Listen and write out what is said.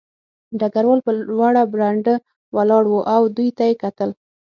ډګروال په لوړه برنډه ولاړ و او دوی ته یې کتل